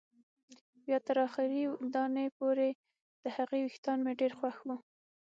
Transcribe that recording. بیا تر اخري دانې پورې، د هغې وېښتان مې ډېر خوښ وو.